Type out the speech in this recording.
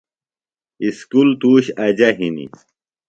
اسکول توُش اجہ ہِنیۡ ـ